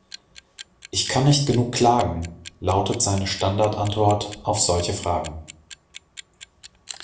"Ich kann nicht genug klagen", lautet seine Standardantwort auf solche Fragen.